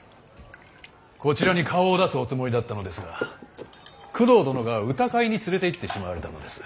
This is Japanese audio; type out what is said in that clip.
こちらに顔を出すおつもりだったのですが工藤殿が歌会に連れていってしまわれたのです。